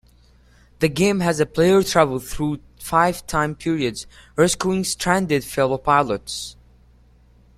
This game has the player travel through five time periods, rescuing stranded fellow pilots.